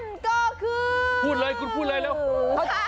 คุณก็คือพูดเลยคุณพูดเลยเร็ว